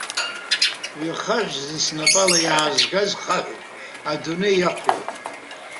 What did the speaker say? Уи ахаҳә зны снапала иаазгаз хаҳәуп, адунеи иақәлоуп.